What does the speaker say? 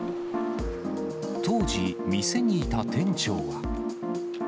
当時、店にいた店長は。